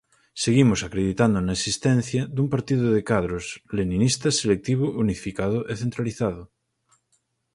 Seguimos acreditando na existencia dun partido de cadros, leninista, selectivo, unificado e centralizado.